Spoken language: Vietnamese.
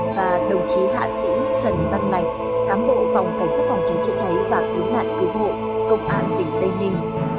và đồng chí hạ sĩ trần văn mạnh cám bộ phòng cảnh sát phòng cháy chữa cháy và cứu nạn cứu hộ công an tỉnh tây ninh